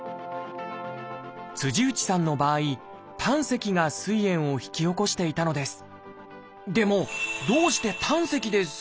内さんの場合「胆石」がすい炎を引き起こしていたのです。